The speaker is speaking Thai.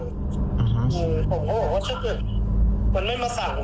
อืมผมก็บอกว่าถ้าเกิดมันไม่มาสั่ง